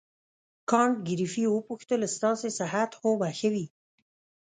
کانت ګریفي وپوښتل ستاسې صحت خو به ښه وي.